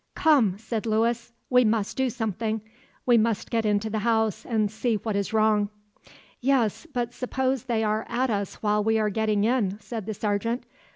"Come!" said Lewis, "we must do something. We must get into the house and see what is wrong." "Yes, but suppose they are at us while we are getting in," said the sergeant.